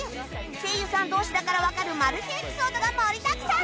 声優さん同士だからわかるマル秘エピソードが盛りだくさん！